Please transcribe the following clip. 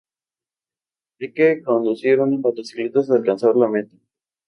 Hay que conducir una motocicleta hasta alcanzar la meta.